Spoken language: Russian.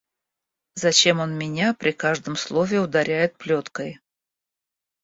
Зачем он меня при каждом слове ударяет плеткой.